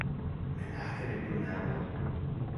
Melajka nipinaua